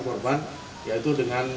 korban yaitu dengan